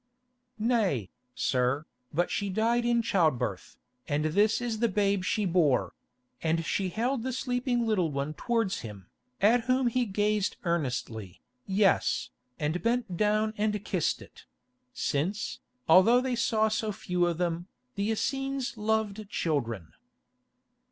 "Nay, sir, but she died in childbirth, and this is the babe she bore"; and she held the sleeping little one towards him, at whom he gazed earnestly, yes, and bent down and kissed it—since, although they saw so few of them, the Essenes loved children.